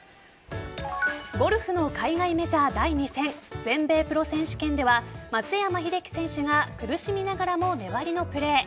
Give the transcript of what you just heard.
ゴルフの海外メジャー第２戦全米プロ選手権では松山英樹選手が苦しみながらも粘りのプレー。